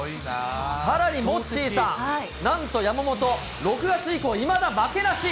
さらにモッチーさん、なんと山本、６月以降、いまだ負けなし。